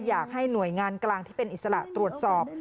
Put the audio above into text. อยากให้หน่วยงานกลางที่เป็นอิสระตรวจสอบ